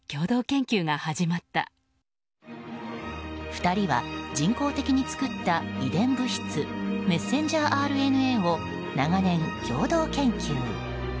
２人は人工的に作った遺伝物質メッセンジャーＲＮＡを長年、共同研究。